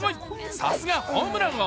さすがホームラン王。